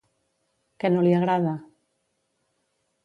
Què no li agrada?